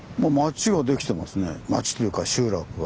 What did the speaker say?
町というか集落が。